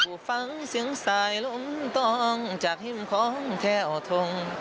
ฟังเสียงสายลมตองจากหิ้มของแถวทง